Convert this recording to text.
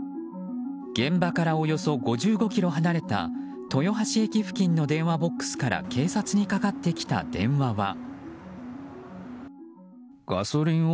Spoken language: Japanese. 現場から、およそ５５ｋｍ離れた豊橋駅付近の電話ボックスから警察にかかってきた電話は。